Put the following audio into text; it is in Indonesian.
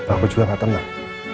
aku juga gak tenang